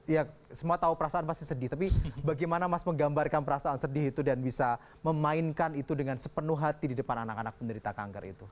ya semua tahu perasaan pasti sedih tapi bagaimana mas menggambarkan perasaan sedih itu dan bisa memainkan itu dengan sepenuh hati di depan anak anak penderita kanker itu